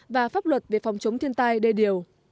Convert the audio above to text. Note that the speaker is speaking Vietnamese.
và pháp luật về phòng chống thiên tai đề điều